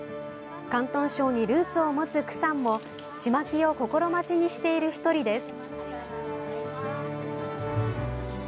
広東省にルーツを持つ区さんもちまきを心待ちにしている１人です。